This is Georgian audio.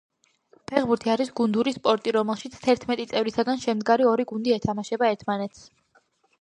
ფეხბურთი გუნდური სპორტი, რომელშიც თერთმეტი წევრისგან შემდგარი ორი გუნდი ეთამაშება ერთმანეთს.